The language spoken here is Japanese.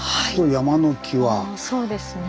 そうですね。